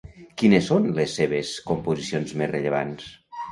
Quines són les seves composicions més rellevants?